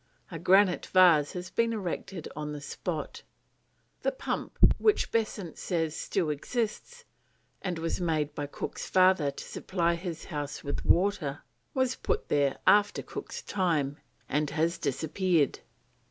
A granite vase has been erected on the spot. The pump which Besant says still exists, and was made by Cook's father to supply his house with water, was "put there after Cook's time," and has disappeared.